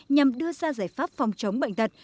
nhằm đưa ra giải pháp phòng chống bệnh tật